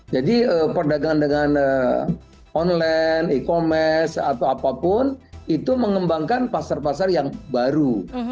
jadi perdagangan dengan online e commerce atau apapun itu mengembangkan pasar pasar yang baru